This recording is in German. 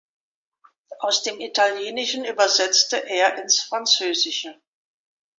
Aus dem Italienischen übersetzte er ins Französische.